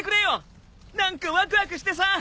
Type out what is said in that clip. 何かワクワクしてさ！